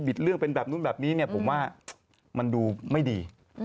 เรื่องเป็นแบบนู้นแบบนี้เนี่ยผมว่ามันดูไม่ดี